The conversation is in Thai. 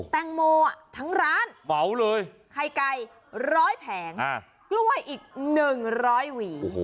แตงโมทั้งร้านเหมาเลยไข่ไก่๑๐๐แผงกล้วยอีก๑๐๐หวี